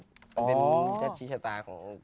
เป็นนัดชี้ชะตาของขอนแก่น